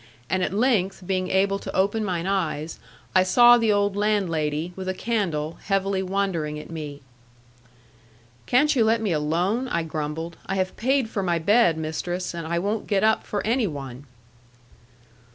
And at length, being able to open mine eyes, I saw the old landlady, with a candle, heavily wondering at me. 'Can't you let me alone?' I grumbled. 'I have paid for my bed, mistress; and I won't get up for any one.'